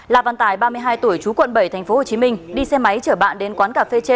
la văn tài ba mươi hai tuổi chú quận bảy tp hcm đi xe máy chở bạn đến quán cà phê trên